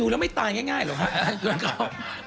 แล้วไม่ตายง่ายเหรอครับ